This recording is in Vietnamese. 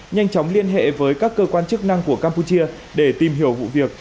nhanh chóng liên hệ với các cơ quan chức năng của campuchia để tìm hiểu vụ việc